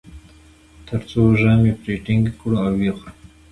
تر څو ژامې پرې ټینګې کړو او و یې خورو.